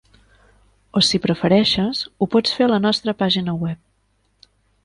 O si prefereixes, ho pots fer a la nostra pàgina web.